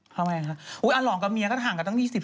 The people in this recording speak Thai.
ทำไมครับอร่องกับเมียก็ห่างกันตั้ง๒๐๓๐ปี